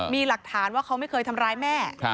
มีหลักฐานว่าเขาไม่เคยทำร้ายแม่